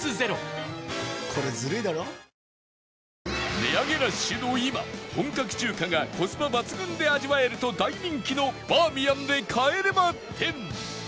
値上げラッシュの今本格中華がコスパ抜群で味わえると大人気のバーミヤンで帰れま１０